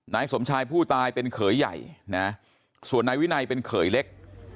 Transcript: นายสมชายผู้ตายเป็นเขยใหญ่นะส่วนนายวินัยเป็นเขยเล็ก